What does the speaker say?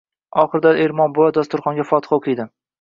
Oxirida Ermon buva dasturxonga fotiha o‘qiydi.